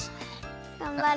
がんばれ！